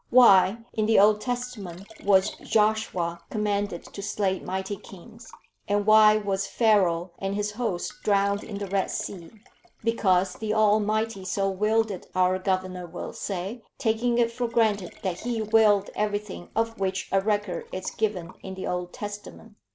Why in the Old Testament was Joshua commanded to slay mighty kings? And why was Pharaoh and his hosts drowned in the Red Sea? Because the Almighty so willed it, our Governor will say, taking it for granted that He willed everything of which a record is given in the Old Testament.